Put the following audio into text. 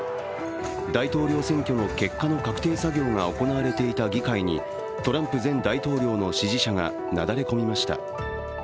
大統領選挙の結果の確定作業が行われていた議会にトランプ前大統領の支持者がなだれ込みました。